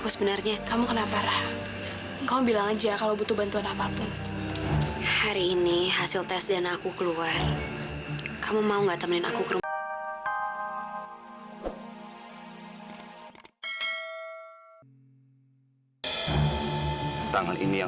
sampai jumpa di video selanjutnya